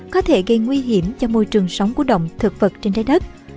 có thể gây nguy hiểm cho môi trường sống của động thực vật trên trái đất